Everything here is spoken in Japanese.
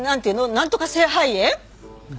なんとか性肺炎？